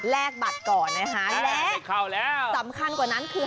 แลกบัตรก่อนนะคะและสำคัญกว่านั้นคือ